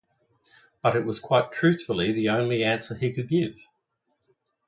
But it was quite truthfully the only answer he could give.